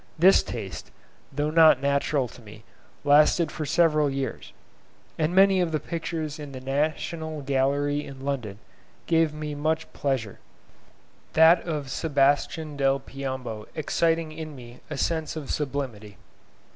This taste, though not natural to me, lasted for several years, and many of the pictures in the National Gallery in London gave me much pleasure; that of Sebastian del Piombo exciting in me a sense of sublimity.